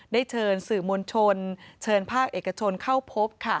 ได้เชิญสื่อมวลชนเชิญภาคเอกชนเข้าพบค่ะ